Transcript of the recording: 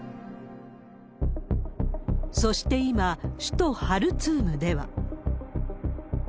そして今、首都ハルツームでは。